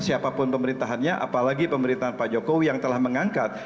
siapapun pemerintahannya apalagi pemerintahan pak jokowi yang telah mengangkat